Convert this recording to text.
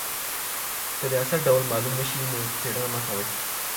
که د اثر ډول معلوم نسي نو څېړنه مه کوئ.